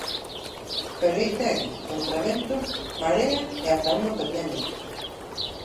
Pero aí seguen, contra vento, marea e ata unha pandemia.